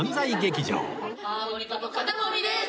ハーモニカと肩もみです。